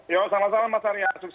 yo sama sama mas arya sukses